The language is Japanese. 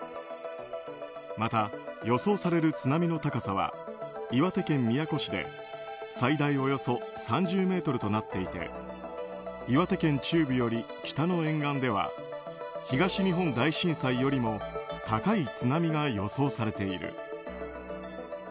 また、予想される津波の高さは岩手県宮古市で最大およそ３０ｍとなっていて岩手県中部より北の沿岸では東日本大震災よりも高い津波が予想されている。